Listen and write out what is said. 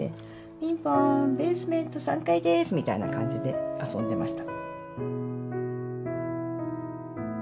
「ピンポンベースメント３階です」みたいな感じで遊んでました。